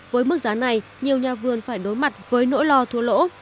với mức giá này nhiều nhà vườn phải đối mặt với nỗi lo thua lỗ